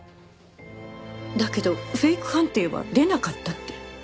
だけどフェイク判定は出なかったって。